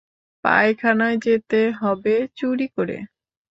পায়খানায় যেতে হবে চুরি করে।